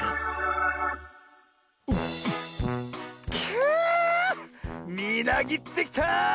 くみなぎってきた！